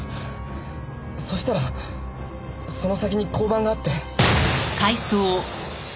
そしたらその先に交番があって。